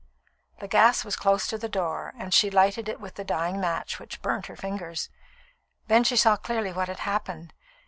The gas was close to the door, and she lighted it with the dying match, which burnt her fingers. Then she saw clearly what had happened.